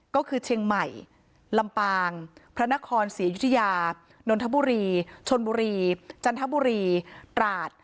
ก็คือเชียงใหม่ลำปางพระนครศรีอยุธยานนทบุรีชนบุรีจันทบุรีตราด